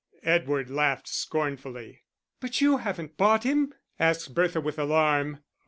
Edward laughed scornfully. "But you haven't bought him?" asked Bertha, with alarm.